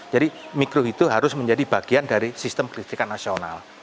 jadi mikro hidro harus menjadi bagian dari sistem gelitrikan nasional